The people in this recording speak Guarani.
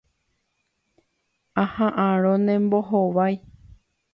Aha'ãrõ ne mbohovái.